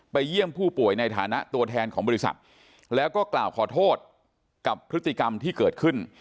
เยี่ยมผู้ป่วยในฐานะตัวแทนของบริษัทแล้วก็กล่าวขอโทษกับพฤติกรรมที่เกิดขึ้น